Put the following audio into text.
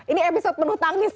ini episode penuh tangis